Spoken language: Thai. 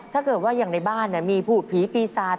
ถ้าเกิดว่าอย่างในบ้านมีผูดผีปีศาจ